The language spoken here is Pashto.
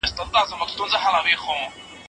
موږ باید له واقعیتونو سره ژوند وکړو.